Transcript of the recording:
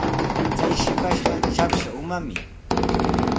Chay shipashqa trapsa umami.